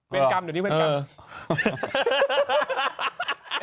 เป็นกรรมเดี๋ยวนี้เป็นกรรม